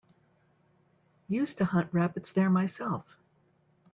Used to hunt rabbits there myself.